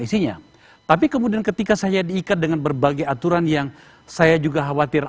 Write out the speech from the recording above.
isinya tapi kemudian ketika saya diikat dengan berbagai aturan yang saya juga khawatir